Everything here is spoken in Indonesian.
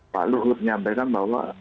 lalu menyampaikan bahwa